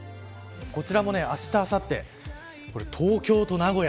こちらもあした、あさって東京と名古屋。